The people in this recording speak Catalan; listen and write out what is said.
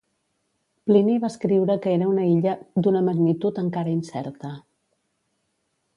Plini va escriure que era una illa "d'una magnitud encara incerta".